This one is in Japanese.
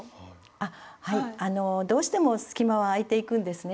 あはいどうしても隙間は空いていくんですね